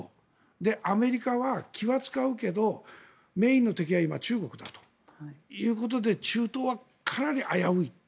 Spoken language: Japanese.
で、アメリカは気は使うけどメインの敵は今、中国だということで中東はかなり危うい。